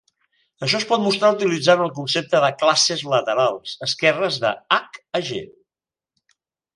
Això es pot mostrar utilitzant el concepte de classes laterals esquerres d'"H" a "G".